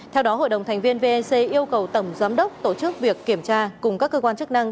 theo đó hội đồng thành viên vec yêu cầu tổng giám đốc tổ chức việc kiểm tra cùng các cơ quan chức năng